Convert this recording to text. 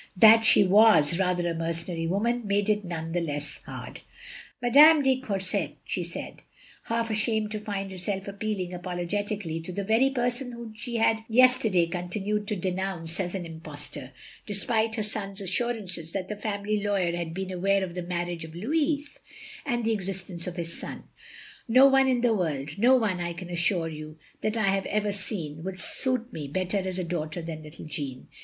That she was rather a mercenary woman made it none the less hard. "Madame de Courset," she said, half ashamed to find herself appealing, apologetically, to the very person whom she had yesterday continued to denotmce as an impostor, despite her son's as surances that the family lawyer had been aware of the marriage of Louis, and the existence of his son — "no one in the world — ^no one, I can assure you, that I have ever seen, would suit me better as a daughter than little Jeanne.